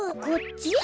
こっち？